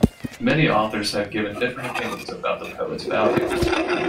Many authors have given different opinions about the poet's value.